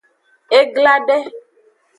E gla de.